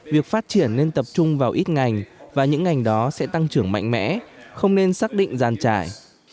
việc phát triển nên tập trung vào ít ngành và những ngành đó sẽ tăng trưởng mạnh mẽ không nên xác định giàn trải